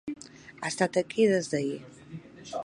Ha estat aquí des d'ahir.